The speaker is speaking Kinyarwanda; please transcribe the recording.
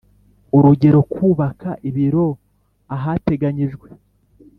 urugero kubaka ibiro ahateganyijwe